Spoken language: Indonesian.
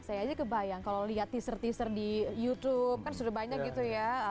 saya aja kebayang kalau lihat teaser teaser di youtube kan sudah banyak gitu ya